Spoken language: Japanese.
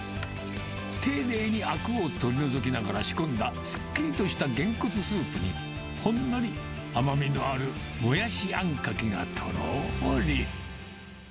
丁寧にあくを取り除きながら仕込んだすっきりとしたげんこつスープに、ほんのり甘みのあるもやしあんかけがとろーり。